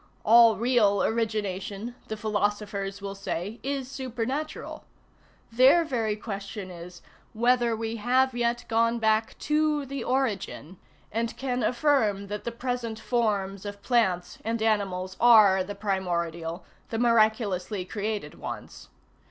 All real origination, the philosophers will say, is supernatural; their very question is, whether we have yet gone back to the origin, and can affirm that the present forms of plants and animals are the primordial, the miraculously created ones.